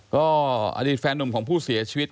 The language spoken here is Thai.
ก็อดีตแฟนหนุ่มของผู้เสียชีวิต